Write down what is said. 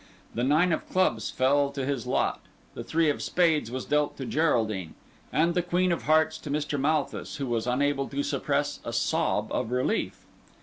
The nine of clubs fell to his lot; the three of spades was dealt to Geraldine; and the queen of hearts to Mr. Malthus, who was unable to suppress a sob of relief.